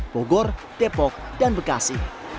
bogor depok dan bekasi